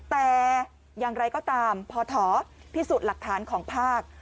แต่อย่างไรก็ตามพอถอพิสูจน์หลักฐานของภาค